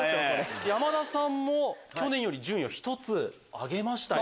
山田さんも去年より順位を１つ上げましたよ。